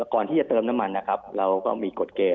ก่อนที่จะเติมน้ำมันนะครับเราก็มีกฎเกณฑ